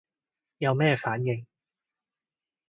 有咩反應